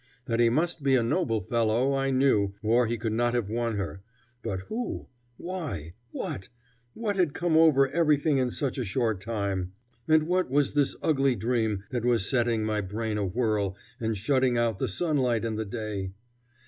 That he must be a noble fellow I knew, or he could not have won her; but who why what what had come over everything in such a short time, and what was this ugly dream that was setting my brain awhirl and shutting out the sunlight and the day?